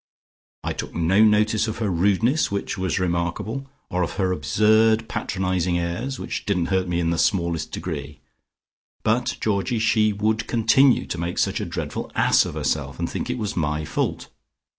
I took no notice of her rudeness which was remarkable, or of her absurd patronising airs, which didn't hurt me in the smallest degree. But Georgie, she would continue to make such a dreadful ass of herself, and think it was my fault.